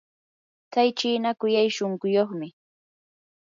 tsay chiina kuyay shunquyuqmi.